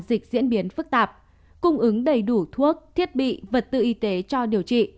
dịch diễn biến phức tạp cung ứng đầy đủ thuốc thiết bị vật tư y tế cho điều trị